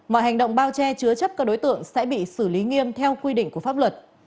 mọi hành động bao che chứa chấp các đối tượng sẽ bị xử lý nghiêm theo quy định của pháp luật